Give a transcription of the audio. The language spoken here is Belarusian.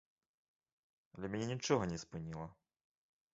Але мяне нічога не спыніла.